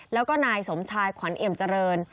แล้วก็นายสมชายขวัญเอี่ยมเจริญ